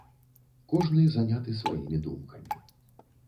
Кожны заняты сваімі думкамі.